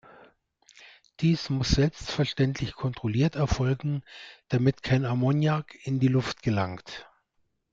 Dies muss selbstverständlich kontrolliert erfolgen, damit kein Ammoniak in die Luft gelangt.